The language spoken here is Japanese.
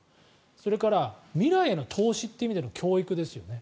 それから、未来への投資という意味での教育ですよね。